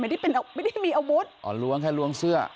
ไม่ได้เป็นไม่ได้มีอาวุธอ๋อล้วงแค่ล้วงเสื้อ